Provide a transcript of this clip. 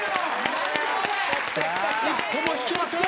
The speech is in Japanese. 一歩も引きません。